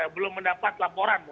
belum mendapat laporan